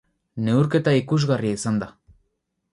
Neurketa ikusgarria izan da.